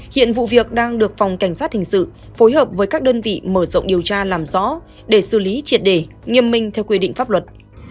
hiện vụ việc đang được phòng cảnh sát hình sự phối hợp với các đơn vị mở rộng điều tra làm rõ để xử lý triệt đề nghiêm minh theo quy định pháp luật